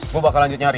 gue bakal lanjut nyari